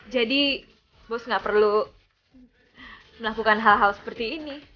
jadi bos tidak perlu melakukan hal hal seperti ini